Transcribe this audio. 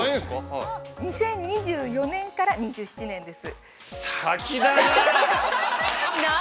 ２０２４年から２７年です。